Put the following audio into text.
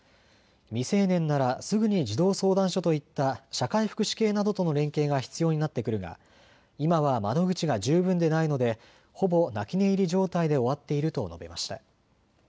未成年ならすぐに児童相談所といった社会福祉系などとの連携が必要になってくるが今は窓口が十分でないので、ほぼ泣き寝入り状態で終わっていると述べました。